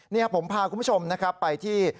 นี่ครับผมพาคุณผู้ชมไปที่